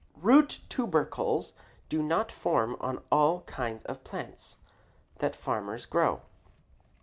Root tubercles do not form on all kinds of plants that farmers grow.